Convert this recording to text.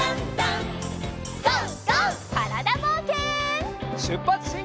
からだぼうけん。